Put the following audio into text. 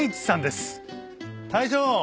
大将。